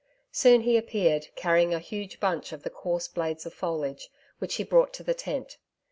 Soon he appeared, carrying a huge bunch of the coarse blades of foliage, which he brought to the tent.